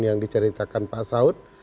yang diceritakan pak saud